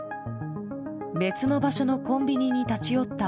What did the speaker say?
別の場所のコンビニに立ち寄った